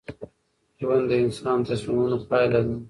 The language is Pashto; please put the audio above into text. ژوند د انسان د تصمیمونو پایله ده.